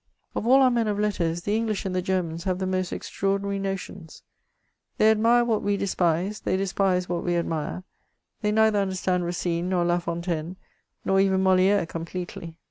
Of all our men of letters, the English and the Germans have the most extraordinary notions; they admire what we despise, they despse what we admire ; they neither understand Itacine nor Lafontaine, nor even MoH^e completely.